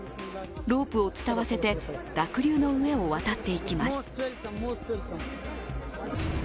ロープを伝わせて濁流の上を渡っていきます。